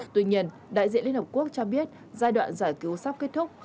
tuy nhiên đại diện liên hợp quốc cho biết giai đoạn giải cứu sắp kết thúc